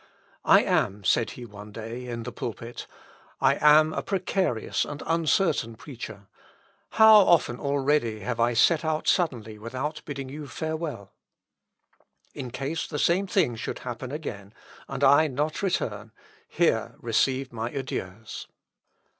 "I am," said he one day in the pulpit, "I am a precarious and uncertain preacher. How often already have I set out suddenly without bidding you farewell.... In case the same thing should happen again, and I not return, here receive my adieus."